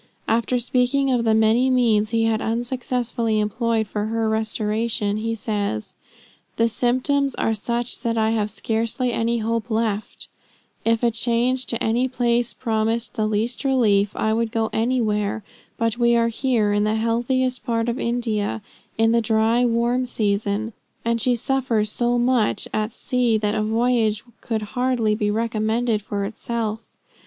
After speaking of the many means he had unsuccessfully employed for her restoration, he says "The symptoms are such that I have scarcely any hope left. If a change to any place promised the least relief, I would go anywhere. But we are here in the healthiest part of India, in the dry, warm season, and she suffers so much at sea that a voyage could hardly be recommended for itself.